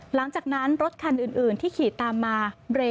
หลังจากนั้นรถคันอื่นที่ขี่ตามมาเร